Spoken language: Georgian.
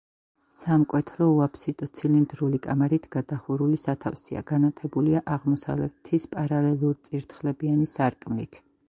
სამკვეთლო უაფსიდო, ცილინდრული კამარით გადახურული სათავსია, განათებულია აღმოსავლეთის პარალელურწირთხლებიანი სარკმლით.